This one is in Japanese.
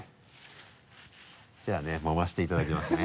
じゃあねもましていただきますね。